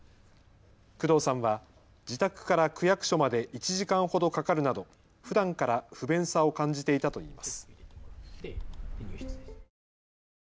工藤さんは自宅から区役所まで１時間ほどかかるなどふだんから不便さを感じていたといいます。